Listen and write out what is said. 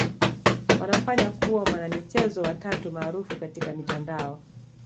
wanamfanya kuwa mwanamichezo wa tatu maarufu katika mitandao